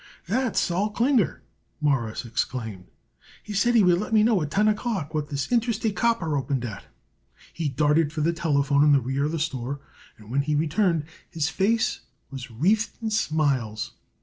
"That's Sol Klinger," Morris exclaimed. "He said he would let me know at ten o'clock what this Interstate Copper opened at." He darted for the telephone in the rear of the store, and when he returned his face was wreathed in smiles.